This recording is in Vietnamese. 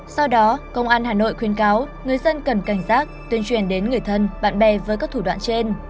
do đó công an hà nội khuyên cáo người dân cần cảnh giác tuyên truyền đến người thân bạn bè với các thủ đoạn trên